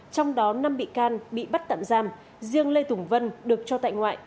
trong đó năm bị can bị bắt tạm giam riêng lê tùng vân được cho tại ngoại